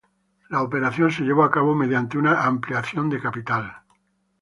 La operación se llevó a cabo mediante una ampliación de capital.